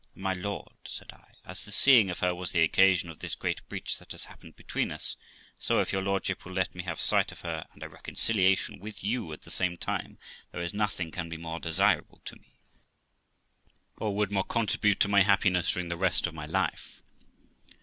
' My lord ', said I, ' as the seeing of her was the occasion of this great breach that has happened between us, so if your lordship will let me have a sight of her and a reconciliation with you at the same time, there is nothing can be more desirable to me, or would more contribute to my happiness during the rest of my life.'